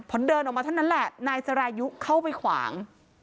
พอเดินออกมาเท่านั้นแหละนายสรายุเข้าไปขวาง